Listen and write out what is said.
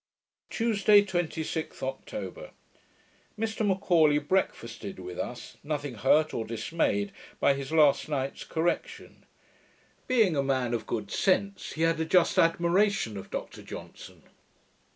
Tuesday, 26th October Mr M'Aulay breakfasted with us, nothing hurt or dismayed by his last night's correction. Being a man of good sense, he had a just admiration of Dr Johnson.